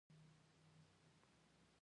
په وردکو کې املاک ښه کېږي.